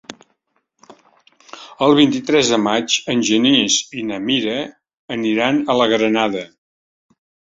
El vint-i-tres de maig en Genís i na Mira aniran a la Granada.